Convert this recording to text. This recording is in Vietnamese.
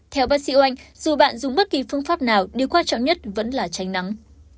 theo bác sĩ oanh dù bạn dùng bất kỳ phương pháp nào điều quan trọng nhất vẫn là tránh nắng